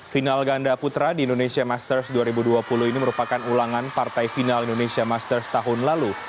final ganda putra di indonesia masters dua ribu dua puluh ini merupakan ulangan partai final indonesia masters tahun lalu